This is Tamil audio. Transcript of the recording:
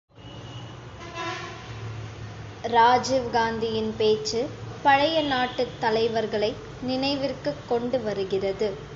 ராஜீவ் காந்தியின் பேச்சு, பழைய நாட்டுத் தலைவர்களை நினைவிற்குக் கொண்டுவருகிறது.